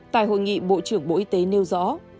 tại hội nghị bộ trưởng bộ y tế nêu rõ